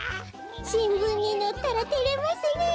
しんぶんにのったらてれますねえ。